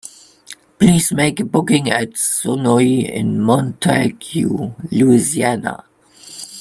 Please make a booking at Sonoy in Montague, Louisiana.